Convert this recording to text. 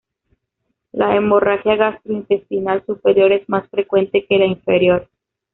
La hemorragia gastrointestinal superior es más frecuente que la inferior.